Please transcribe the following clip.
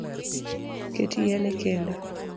Ket yien ekendo